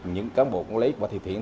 những cán bộ có lấy qua thị thi tuyển